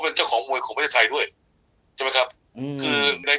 เป็นเจ้าของมวยของประเทศไทยด้วยใช่ไหมครับอืมคือใน